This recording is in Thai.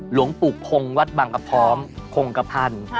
หลวงปลุกคงวัดบางกะพร้อมคงกะพรรณ